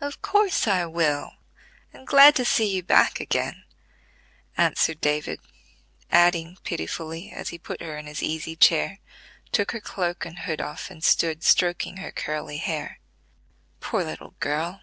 "Of course I will, and glad to see you back again," answered David, adding pitifully, as he put her in his easy chair, took her cloak and hood off and stood stroking her curly hair: "Poor little girl!